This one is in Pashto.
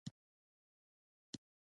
ایا دانې مو خارښ کوي؟